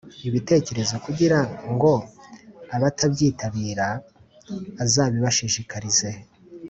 ibitekerezo kugira ngo abatabyitabira azabibashishikarize